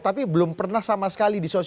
tapi belum pernah sama sekali di sosialisasi